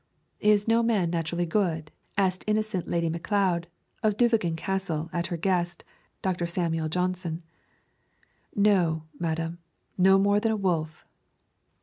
'Is no man naturally good?' asked innocent Lady Macleod of Dunvegan Castle at her guest, Dr. Samuel Johnson. 'No, madam, no more than a wolf.'